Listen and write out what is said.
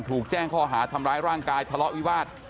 ถูกแจ้งข้อหาดำร้ายร่างกายเทลาวิวาร์ด